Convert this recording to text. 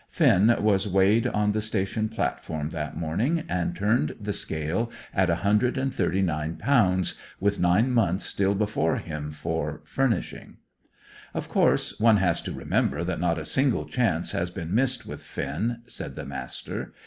Finn was weighed on the station platform that morning, and turned the scale at 139 lbs., with nine months still before him for "furnishing." "Of course, one has to remember that not a single chance has been missed with Finn," said the Master.